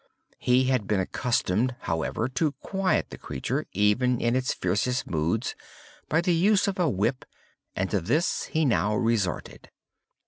He had been accustomed, however, to quiet the creature, even in its fiercest moods, by the use of a whip, and to this he now resorted.